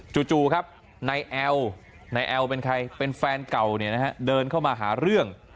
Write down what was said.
จู่ครับนายแอลนายแอลเป็นใครเป็นแฟนเก่าเดินเข้ามาหาเรื่อง